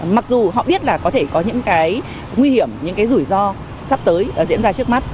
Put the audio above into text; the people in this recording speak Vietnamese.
mặc dù họ biết là có thể có những cái nguy hiểm những cái rủi ro sắp tới đã diễn ra trước mắt